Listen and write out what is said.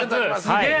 すげえ。